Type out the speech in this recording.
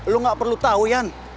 lu gak perlu tahu iyan